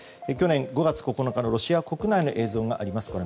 去年５月９日のロシア国内の映像があります。